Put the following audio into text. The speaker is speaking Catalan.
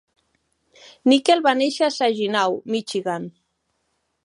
Nickle va néixer a Saginaw, Michigan.